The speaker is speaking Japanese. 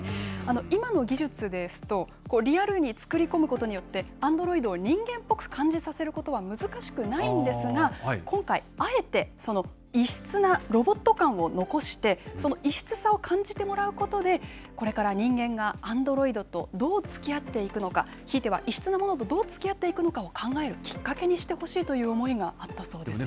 今の技術ですと、リアルに作り込むことによって、アンドロイドを人間っぽく感じさせることは難しくないんですが、今回、あえてその異質なロボット感を残して、その異質さを感じてもらうことで、これから人間がアンドロイドとどうつきあっていくのか、ひいては異質なものとどうつきあっていくのかを考えるきっかけにしてほしいという思いがあったそうですよ。